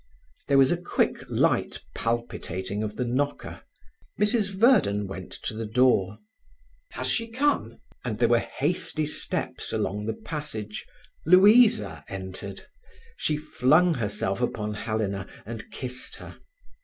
There was a quick, light palpitating of the knocker. Mrs Verden went to the door. "Has she come?" And there were hasty steps along the passage. Louisa entered. She flung herself upon Helena and kissed her.